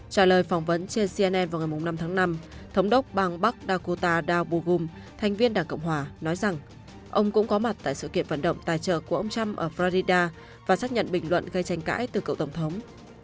trả lời phỏng vấn trên cnne vào ngày năm tháng năm thống đốc bang bắc dakota dabogum thành viên đảng cộng hòa nói rằng ông cũng có mặt tại sự kiện vận động tài trợ của ông trump ở florida và xác nhận bình luận gây tranh cãi từ cậu tổng thống